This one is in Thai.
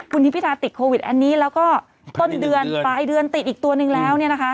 คุณทิมพิธาติดโควิดอันนี้แล้วก็ต้นเดือนปลายเดือนติดอีกตัวนึงแล้ว